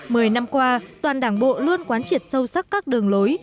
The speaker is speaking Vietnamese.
mười năm qua toàn đảng bộ luôn quán triệt sâu sắc các đường lối